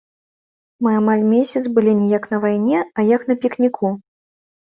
Мы амаль месяц былі не як на вайне, а як на пікніку.